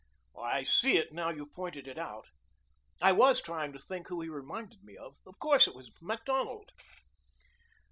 "I see it now you've pointed it out. I was trying to think who he reminded me of. Of course it was Macdonald."